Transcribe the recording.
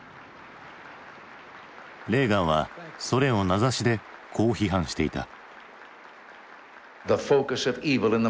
レーガンはソ連を名指しでこう批判していた。